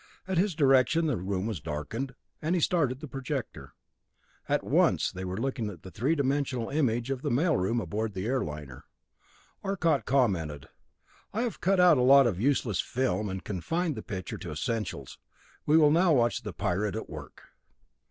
At his direction the room was darkened; and he started the projector. At once they were looking at the three dimensional image of the mail room aboard the air liner. Arcot commented: "I have cut out a lot of useless film, and confined the picture to essentials. We will now watch the pirate at work."